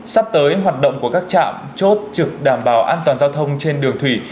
sắp tới hoạt động của các trạm chốt trực đảm bảo an toàn giao thông trên đường thủy